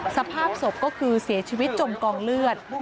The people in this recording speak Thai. สภาพศพก็คือเสียชีวิตจมกองเลือด